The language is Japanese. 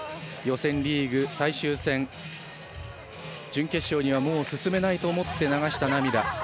予選リーグ、最終戦準決勝にはもう進めないと思って流した涙。